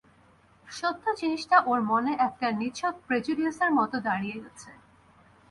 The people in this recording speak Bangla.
সত্য জিনিসটা ওর মনে একটা নিছক প্রেজুডিসের মতো দাঁড়িয়ে গেছে।